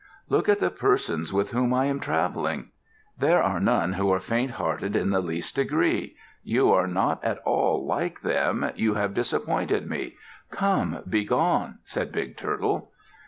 "Look at the persons with whom I am traveling. There are none who are faint hearted in the least degree. You are not at all like them. You have disappointed me. Come, begone," said Big Turtle.